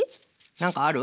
なんかある？